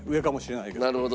なるほど。